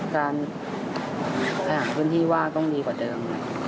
ทำให้วินที่ว่าก็ต้องดีกว่าเดิม